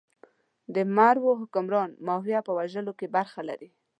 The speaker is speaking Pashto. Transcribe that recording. د مرو حکمران ماهویه په وژلو کې برخه لري.